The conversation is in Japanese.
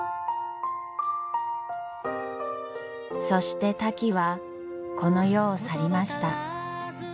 そしてタキはこの世を去りました。